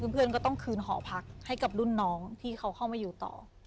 เพื่อนก็ต้องคืนหอพักให้กับรุ่นน้องที่เขาเข้ามาอยู่ต่อ